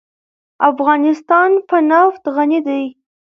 افغانستان په نفت غني دی.